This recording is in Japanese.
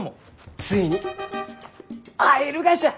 ついに会えるがじゃ！